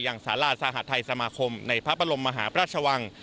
อย่างสาราสหัตถัยสมาคมในพระประลมมหาพระราชวัง